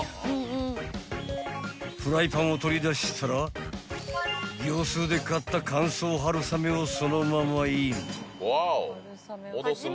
［フライパンを取り出したら業スーで買った乾燥はるさめをそのままイン］